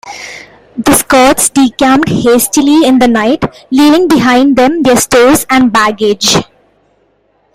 The Scots decamped hastily in the night, leaving behind them their stores and baggage.